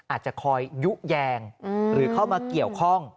อาจจะคอยยุแยงหรือเข้ามาเกี่ยวข้อง